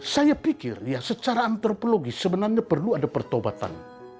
saya pikir ya secara antropologis sebenarnya perlu ada pertobatan